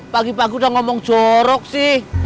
pagi pagi udah ngomong jorok sih